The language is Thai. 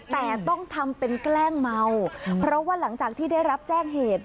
แต่ต้องทำเป็นแกล้งเมาเพราะว่าหลังจากที่ได้รับแจ้งเหตุ